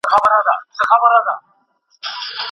په ټولنه کي د خلکو ترمنځ باید تل بخښنه وسي.